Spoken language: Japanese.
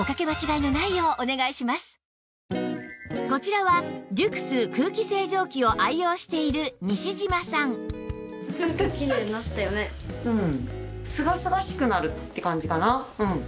こちらは ｄｕｕｘ 空気清浄機を愛用している西島さん